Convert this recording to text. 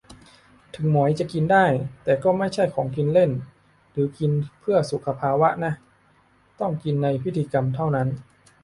ถึงหมอยจะกินได้ แต่ก็ไม่ใช่ของกินเล่น หรือกินเพื่อสุขภาวะนะ ต้องกินในพิธีกรรมเท่านั้น